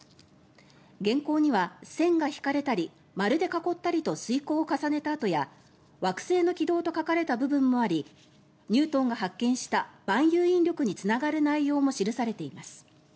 原稿には線が引かれたり丸で囲ったりと推こうを重ねた跡や惑星の軌道と書かれた部分もありニュートンが発見した万有引力につながる内容も記されています。